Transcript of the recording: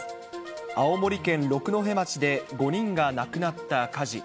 青森県六戸町で、５人が亡くなった火事。